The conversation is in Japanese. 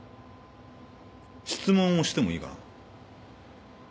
質問をしてもいいかな？